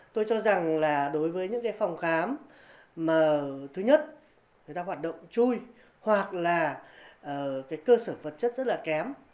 tôi cho rằng là đối với những cái phòng khám mà thứ nhất người ta hoạt động chui hoặc là cái cơ sở vật chất rất là kém